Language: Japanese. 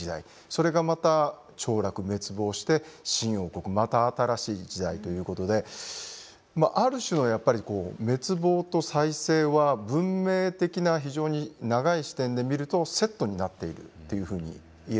それがまた凋落滅亡して新王国また新しい時代ということである種のやっぱりこう滅亡と再生は文明的な非常に長い視点で見るとセットになっているというふうに言えるんじゃないかなと思います。